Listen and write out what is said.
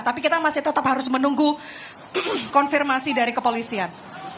tapi kita masih tetap harus menunggu konfirmasi dari kepolisian